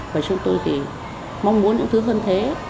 và chúng tôi thì mong muốn những thứ hơn thế